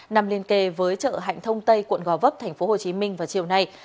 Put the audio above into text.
nằm liên kề với chợ hạnh thông tây quận gò vấp tp hcm vào chiều nay